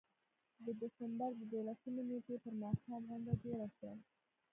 د ډسمبر د دولسمې نېټې پر ماښام غونډه جوړه شوه.